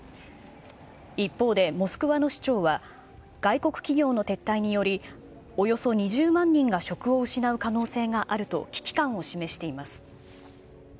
一方でモスクワの市長は外国企業の撤退により、およそ２０万人が職を失う可能性があると危機感を示しています。